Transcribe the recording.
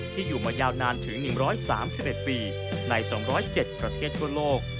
อยู่มายาวนานถึง๑๓๑ปีใน๒๐๗ประเทศทั่วโลก